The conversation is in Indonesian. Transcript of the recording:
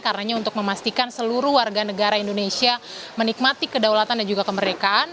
karena untuk memastikan seluruh warga negara indonesia menikmati kedaulatan dan juga kemerdekaan